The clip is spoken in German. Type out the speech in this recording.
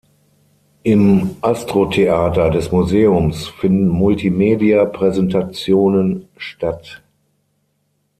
Im "Astro-Theater" des Museums finden Multimedia-Präsentationen statt.